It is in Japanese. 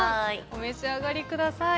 お召し上がりください。